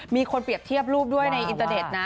มีคนเปรียบเทียบรูปด้วยในอินเตอร์เน็ตนะ